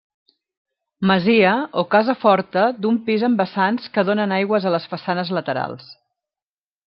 Masia, o casa forta, d'un pis amb vessants que donen aigües a les façanes laterals.